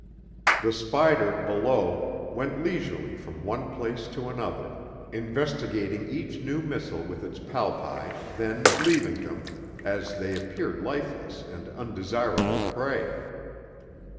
The spider, below, went leisurely from one place to another, investigating each new missile with its palpi, then leaving them, as they appeared lifeless and undesirable prey.